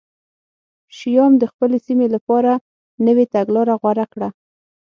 شیام د خپلې سیمې لپاره نوې تګلاره غوره کړه